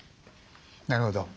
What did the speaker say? なるほど。